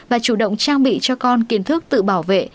và chủ động trang bị cho con kiến thức tự bảo vệ